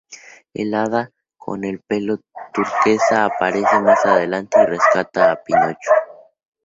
El hada con el pelo turquesa aparece más adelante y rescata a Pinocho.